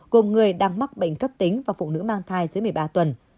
gồm người đang mắc bệnh cấp tính và phụ nữ mang thai dưới một mươi ba tuần